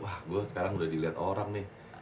wah gue sekarang udah dilihat orang nih